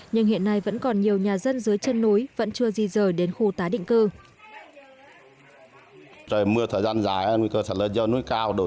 nhưng hiện nay vẫn còn nhiều nhà dân dưới chân núi vẫn chưa di rời đến khu tái định cư